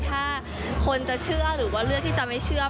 ถ้าคนจะเชื่อหรือว่าเลือกที่จะไม่เชื่อ